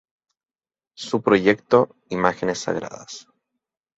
Su proyecto ""Imágenes Sagradas.